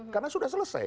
karena sudah selesai